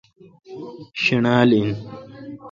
شݨال این۔